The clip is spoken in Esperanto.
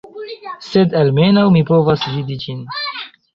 Sed almenaŭ mi povas vidi ĝin